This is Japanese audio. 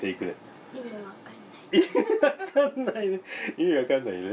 意味わかんないね！